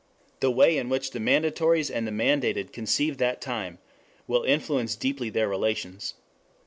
The way in which the mandatories and the mandated conceive that time will influence deeply their relations.